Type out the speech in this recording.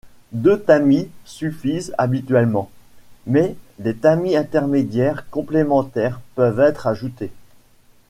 Deux tamis suffisent habituellement, mais des tamis intermédiaires complémentaires peuvent être ajoutés.